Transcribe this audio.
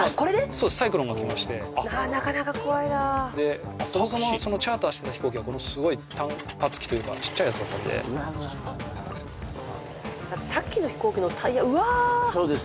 そうサイクロンがきましてなかなか怖いなでそもそもチャーターしてた飛行機が単発機というかちっちゃいやつだったんでさっきの飛行機のタイヤうわそうです